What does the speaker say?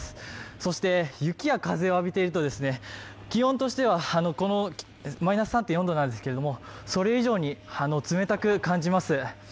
そして、雪や風を浴びていると気温としてはマイナス３．４度なんですがそれ以上に冷たく感じます。